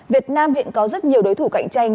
việt nam hiện có rất nhiều đối thủ cạnh tranh